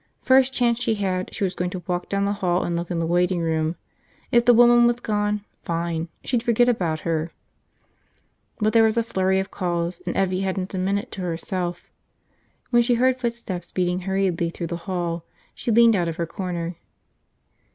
First chance she had, she was going to walk down the hall and look in the waiting room. If the woman was gone, fine, she'd forget about her. But there was a flurry of calls and Evvie hadn't a minute to herself. When she heard footsteps beating hurriedly through the hall, she leaned out of her corner.